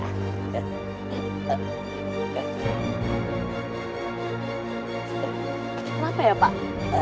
kenapa ya pak